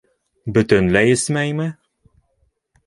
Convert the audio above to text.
Бөтөнләй эсмәйме?